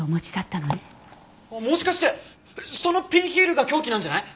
もしかしてそのピンヒールが凶器なんじゃない？